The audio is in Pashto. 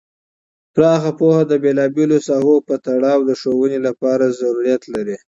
پراخ پوهه د بیلا بیلو ساحو په تړاو د ښوونې لپاره ضروریت لري.